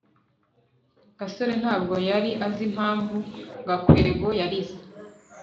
gasore ntabwo yari azi impamvu gakwego yarize